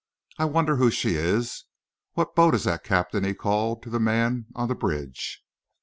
I wonder who she is? What boat is that, captain?" he called to the man on the bridge.